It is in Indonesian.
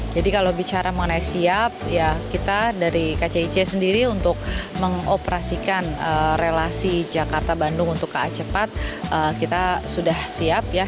jadi kalau bicara mengenai siap ya kita dari kcic sendiri untuk mengoperasikan relasi jakarta bandung untuk ka cepat kita sudah siap ya